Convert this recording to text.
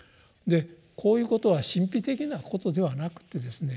こういうことは神秘的なことではなくてですね